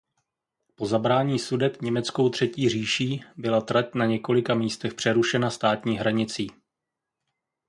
Po zabrání Sudet německou Třetí říší byla trať na několika místech přerušena státní hranicí.